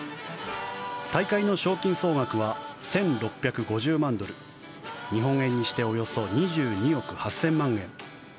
大会の賞金総額は１６５０万ドル日本円にしておよそ２２億８０００万円。